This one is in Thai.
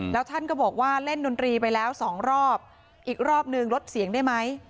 แล้วท่านก็บอกว่าเล่นดนตรีไปแล้วสองรอบอีกรอบนึงลดเสียงได้ไหม